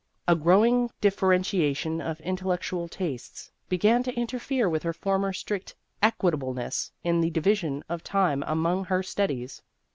A growing differentiation of intellectual tastes began to interfere with her former strict equita bleness in the division of time among her studies.